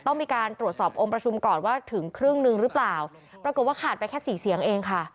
ต้องมีการตรวจสอบองค์ประชุมก่อนว่าถึงครึ่งหนึ่งหรือเปล่าปรากฏว่าขาดไปแค่สี่เสียงเองค่ะ